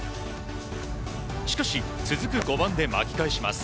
しかし、続く５番で巻き返します。